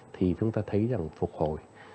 thì chúng ta thấy rằng phục hồi